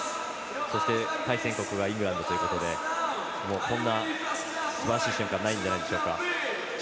そして、対戦国がイングランドということでこんなすばらしい瞬間ないんじゃないでしょうか。